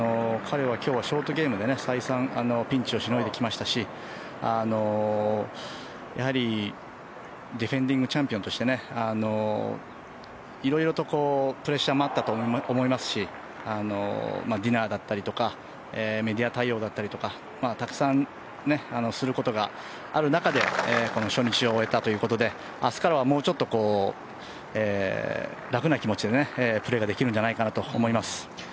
彼はショートゲームで再三、ピンチをしのいできましたし、ディフェンディングチャンピオンとしていろいろとプレッシャーもあったと思いますしディナーだったりとかメディア対応だったりたくさんすることがある中でこの初日を終えたということで明日からはもうちょっと楽な気持ちでプレーができるんじゃないかと思います。